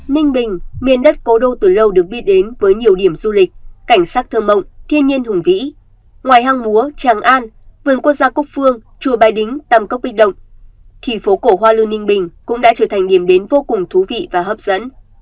ninh bình miền đất cố đô từ lâu được biết đến với nhiều điểm du lịch cảnh sắc thơ mộng thiên nhiên hùng vĩ ngoài hang múa tràng an vườn quốc gia cúc phương chùa bái đính tầm cốc bích động thì phố cổ hoa lư ninh bình cũng đã trở thành điểm đến vô cùng thú vị và hấp dẫn